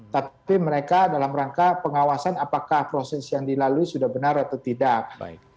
tapi mereka dalam rangka pengawasan apakah proses yang dilalui sudah benar atau tidak